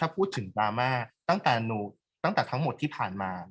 พูดถึงดราม่าตั้งแต่ทั้งหมดที่ผ่านมา